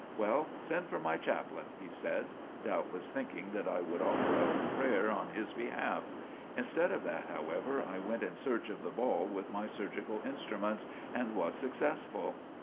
"Well, send for my chaplain," he said, doubtless thinking that I would offer up a prayer in his behalf. Instead of that, however, I went in search of the ball with my surgical instruments, and was successful.